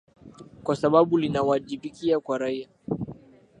kwa sababu linawajibika kwa raia